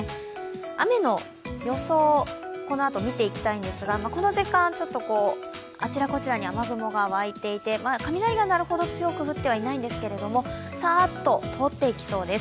雨の予想、このあと見ていきたいんですがこの時間、ちょっとあちらこちらに雨雲が湧いていて雷が鳴るほど強く降ってはいないんですけど、サーッと通っていきそうです。